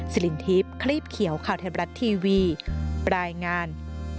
สิรินทรีปคลีบเขียวข่าวแทนบรัฐทีวีปรายงาน